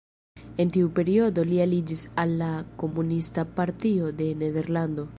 En tiu periodo li aliĝis al la Komunista Partio de Nederlando.